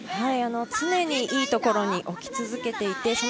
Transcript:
常にいいところに置き続けていて。